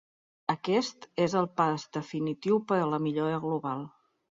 Aquest és el pas definitiu per a la millora global.